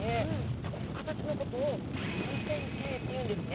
でこの形のことを流線形っていうんですね。